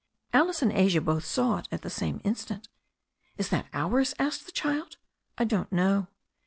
Alice and Asia both saw it at the same instant. "Is that ours?" asked the child. "I don't know."